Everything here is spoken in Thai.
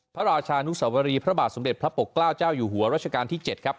พระราชานุสวรีพระบาทสมเด็จพระปกเกล้าเจ้าอยู่หัวรัชกาลที่๗ครับ